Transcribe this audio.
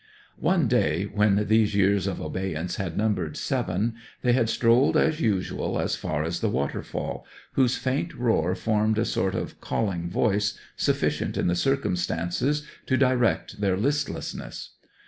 One day, when these years of abeyance had numbered seven, they had strolled as usual as far as the waterfall, whose faint roar formed a sort of calling voice sufficient in the circumstances to direct their listlessness.